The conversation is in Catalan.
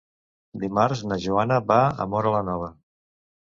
Dimarts na Joana va a Móra la Nova.